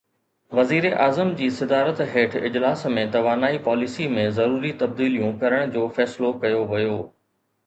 وزيراعظم جي صدارت هيٺ اجلاس ۾ توانائي پاليسي ۾ ضروري تبديليون ڪرڻ جو فيصلو ڪيو ويو